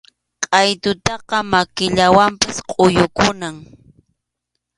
Qʼaytutaqa makillawanpas kʼuyukunam.